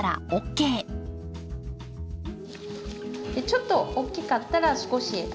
ちょっと大きかったら少し。